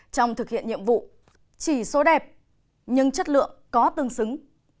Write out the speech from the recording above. trong thực hiện nhiệm vụ chỉ số đẹp nhưng chất lượng có tương xứng